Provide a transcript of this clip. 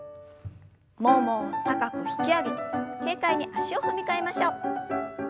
ももを高く引き上げて軽快に足を踏み替えましょう。